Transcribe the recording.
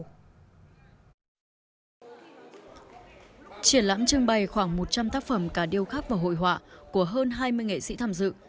triển lãm trưng bày khoảng một trăm linh tác phẩm cả điêu khắc và hội họa của hơn hai mươi nghệ sĩ tham dự